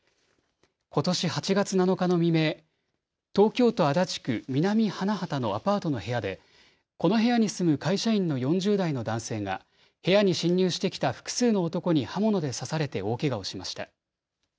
ことし８月７日の未明、東京都足立区南花畑のアパートの部屋でこの部屋に住む会社員の４０代の男性が部屋に侵入してきた複数の男に刃物で刺されて大けがをしました。